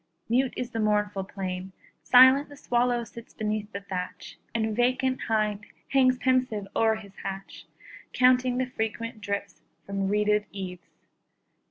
Mute is the mournful plain; Silent the swallow sits beneath the thatch, And vacant hind hangs pensive o'er his hatch, Counting the frequent drips from reeded eaves.